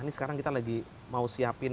ini sekarang kita lagi mau siapin